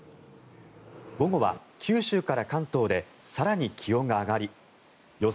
午後は九州から関東で更に気温が上がり予想